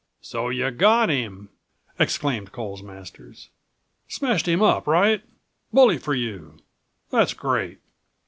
"So you got him!" exclaimed Coles Masters. "Smashed him up right? Bully for you. That's great!"